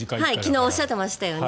昨日おっしゃってましたよね。